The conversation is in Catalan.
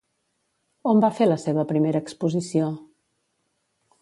On va fer la seva primera exposició?